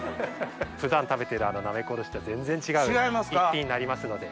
普段食べてるあのなめこおろしとは全然違う一品になりますので。